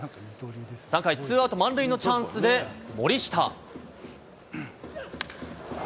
３回、ツーアウト満塁のチャンスで森下。